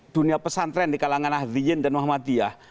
dunia pesantren di kalangan ahliyin dan muhammadiyah